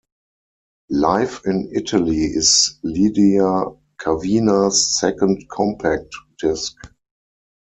Live in Italy is Lydia Kavina's second compact disc.